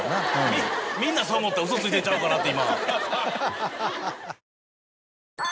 みんなそう思ったウソついてるんちゃうかなって。